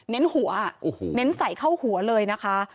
หัวเน้นใส่เข้าหัวเลยนะคะ